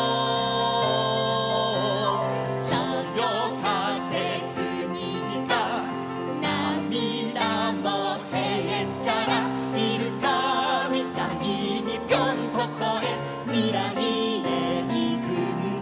「そよかぜスニーカー」「なみだもへっちゃら」「イルカみたいにぴょんとこえ」「みらいへいくんだ」